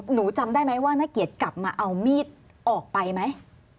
หนูจำได้ไหมว่านักเกียรติกลับมาเอามีดออกไปไหม